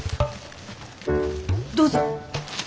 どうぞ。